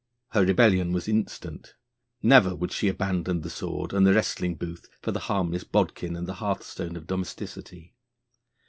Her rebellion was instant. Never would she abandon the sword and the wrestling booth for the harmless bodkin and the hearthstone of domesticity.